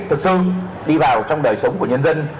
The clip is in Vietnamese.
thực sự đi vào trong đời sống của nhân dân